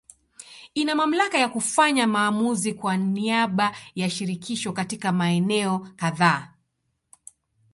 Ina mamlaka ya kufanya maamuzi kwa niaba ya Shirikisho katika maeneo kadhaa.